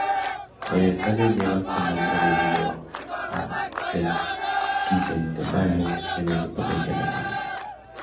El estadio lleva este nombre debido al Sesquicentenario de la independencia nacional.